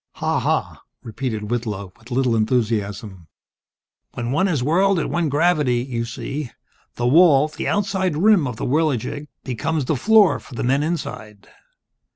"Ha ha," repeated Whitlow, with little enthusiasm. "When one is whirled at one gravity, you see, the wall the outside rim of the Whirligig, becomes the floor for the men inside.